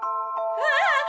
うわっ！